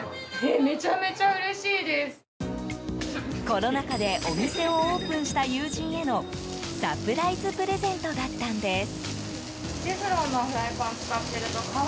コロナ禍でお店をオープンした友人へのサプライズプレゼントだったんです。